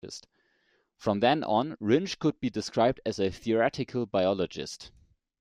From then on Wrinch could be described as a theoretical biologist.